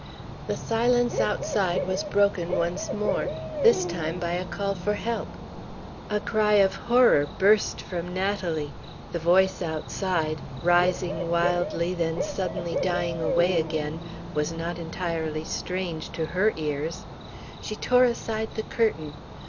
The silence outside was broken once more; this time by a call for help. A cry of horror burst from Natalie. The voice outside rising wildly, then suddenly dying away again was not entirely strange to her ears. She tore aside the curtain.